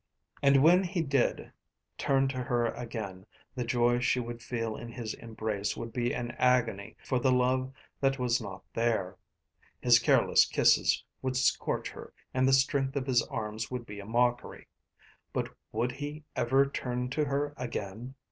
And when he did turn to her again the joy she would feel in his embrace would be an agony for the love that was not there. His careless kisses would scorch her and the strength of his arms would be a mockery. But would he ever turn to her again?